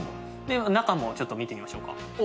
中もちょっと見てみましょうか。